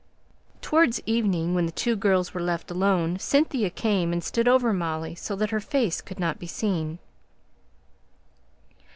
Towards evening, when the two girls were left alone, Cynthia came and stood over Molly, so that her face could not be seen.